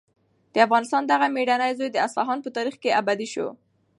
د افغانستان دغه مېړنی زوی د اصفهان په تاریخ کې ابدي شو.